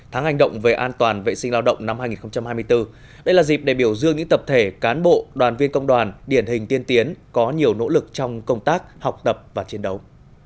tháng hành động về an toàn vệ sinh lao động năm hai nghìn hai mươi bốn đây là dịp để biểu dương những tập thể cán bộ đoàn viên công đoàn điển hình tiên tiến có nhiều nỗ lực trong công tác học tập và chiến đấu